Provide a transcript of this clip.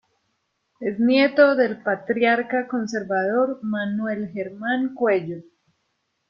Es nieto del patriarca conservador Manuel Germán Cuello.